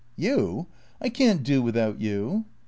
" You ? I can't do without you."